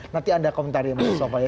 nanti anda komentari ya pak sokpa